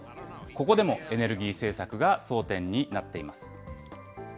ここでもエネルギー政策が争点になっています。